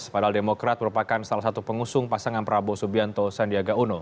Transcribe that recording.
padahal demokrat merupakan salah satu pengusung pasangan prabowo subianto sandiaga uno